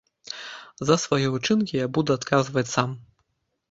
За свае ўчынкі я буду адказваць сам!